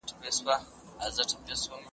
ما د لنډو کیسو برخې په مینه لوستلې.